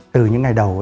từ những ngày đầu